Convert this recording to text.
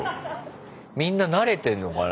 みんな慣れてんのかな？